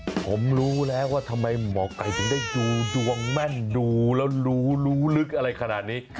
ผมรู้แล้วว่าทำไมหมอไก่ถึงได้ดูดวงแม่นดูแล้วรู้รู้ลึกอะไรขนาดนี้